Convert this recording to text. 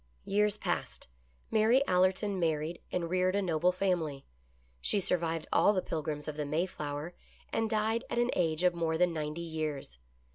Years passed. Mary Allerton married and reared a noble family. She survived all the Pilgrims of the May flower and died at an age of more than ninety years.